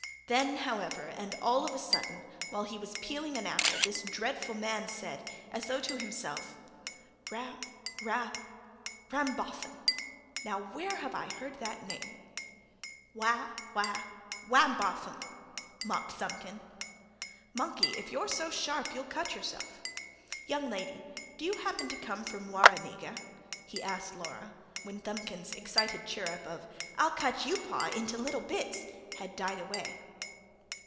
Then however and all of a sudden, while he was peeling an apple, this dreadful man said, as though to himself: "Ra ... Ra ... Rambotham. Now where have I heard that name?" "Wa ... Wa ... Wamboffam!" mocked Thumbkin. "Monkey, if you're so sharp you'll cut yourself! Young lady, do you happen to come from Warrenega?" he asked Laura, when Thumbkin's excited chirrup of: "I'll cut YOU, pa, into little bits!" had died away.